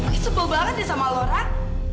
kesel banget deh sama lorat